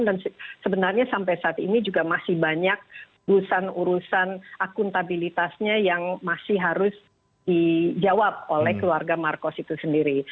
dan sebenarnya sampai saat ini juga masih banyak urusan urusan akuntabilitasnya yang masih harus dijawab oleh keluarga marcos itu sendiri